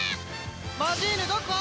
マジーヌどこ！？